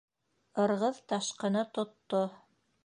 Ырғыҙ ташҡыны тотто.